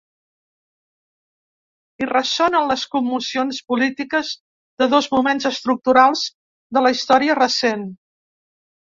Hi ressonen les commocions polítiques de dos moments estructurals de la història recent.